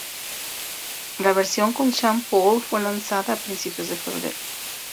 La versión con Sean Paul fue lanzada a principios de febrero.